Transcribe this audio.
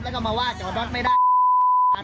และก็มาวาดเจอกันไม่ได้